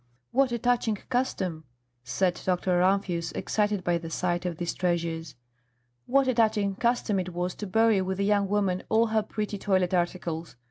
"What a touching custom!" said Dr. Rumphius, excited by the sight of these treasures; "what a touching custom it was to bury with a young woman all her pretty toilet articles!